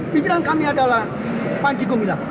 pimpinan kami adalah panji gumilang